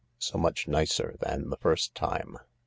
" So much nicer than the first time."